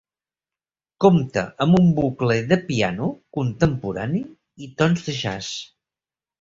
Compta amb un bucle de piano contemporani i tons de jazz.